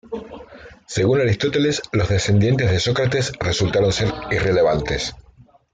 Según Aristóteles, los descendientes de Sócrates resultaron ser irrelevantes.